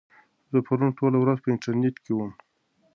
زه پرون ټوله ورځ په انټرنيټ کې وم.